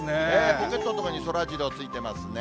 ポケットのところにそらジローついてますね。